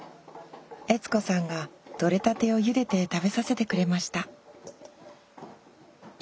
悦子さんが採れたてをゆでて食べさせてくれました